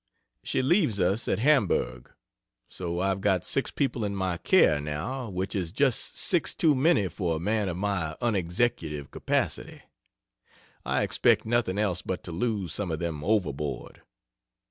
She leaves us at Hamburg. So I've got 6 people in my care, now which is just 6 too many for a man of my unexecutive capacity. I expect nothing else but to lose some of them overboard.